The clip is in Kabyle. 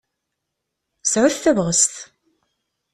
Sɛut tabɣest!